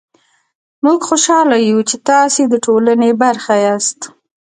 موژ خوشحاله يو چې تاسې ده ټولني برخه ياست